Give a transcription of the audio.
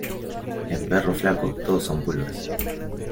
En perro flaco todo son pulgas.